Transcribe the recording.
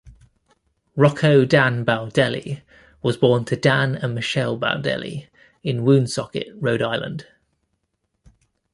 Rocco Dan Baldelli was born to Dan and Michele Baldelli in Woonsocket, Rhode Island.